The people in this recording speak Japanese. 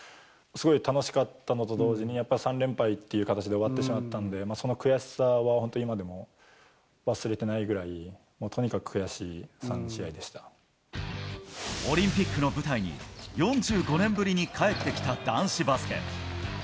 すごい楽しかったのと同時に、やっぱり３連敗という形で終わってしまったんで、その悔しさは本当に今でも忘れてないぐらい、オリンピックの舞台に、４５年ぶりに帰ってきた男子バスケ。